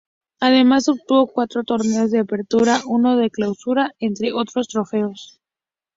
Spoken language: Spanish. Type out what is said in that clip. Además obtuvo cuatro torneos de Apertura, uno de Clausura, entre otros trofeos.